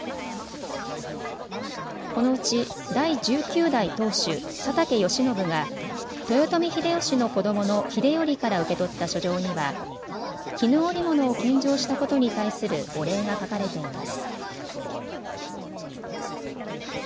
このうち第１９代当主・佐竹義宣が豊臣秀吉の子どもの秀頼から受け取った書状には絹織物を献上したことに対するお礼が書かれています。